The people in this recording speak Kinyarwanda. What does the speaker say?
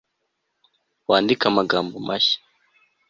Wandike amagambo mashya